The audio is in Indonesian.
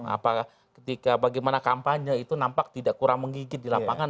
apakah ketika bagaimana kampanye itu nampak tidak kurang menggigit di lapangan